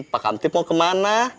pak kanti mau kemana